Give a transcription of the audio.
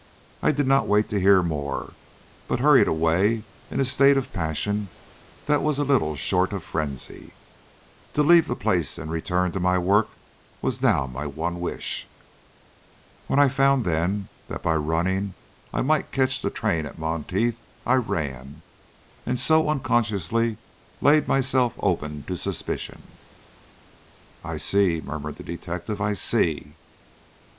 I did not wait to hear more, but hurried away in a state of passion that was little short of frenzy. To leave the place and return to my work was now my one wish. When I found, then, that by running I might catch the train at Monteith, I ran, and so unconsciously laid myself open to suspicion." "I see," murmured the detective; "I see."